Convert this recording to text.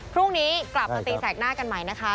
พรุ่งนี้กลับมาตีแสกหน้ากันใหม่นะคะ